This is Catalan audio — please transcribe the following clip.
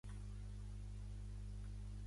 Bonney va néixer a Montclair, Nova Jersey.